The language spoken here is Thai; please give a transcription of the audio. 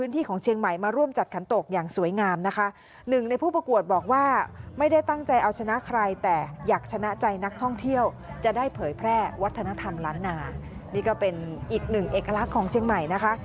ที่ได้เผยแพร่วัฒนธรรมร้านนานี่ก็เป็นอีกหนึ่งเอกลักษณ์ของเชียงใหม่นะคะ